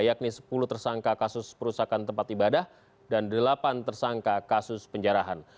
yakni sepuluh tersangka kasus perusakan tempat ibadah dan delapan tersangka kasus penjarahan